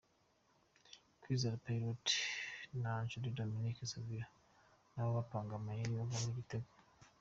Kwizera Pierrot na Nshuti Domique Savio nabo bapanga amayeri yavamo igitego .